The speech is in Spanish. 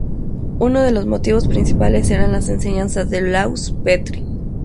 Uno de los motivos principales eran las enseñanzas de Olaus Petri.